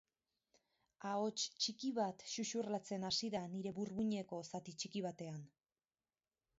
Ahots txiki bat xuxurlatzen hasi da nire burmuineko zati txiki batean.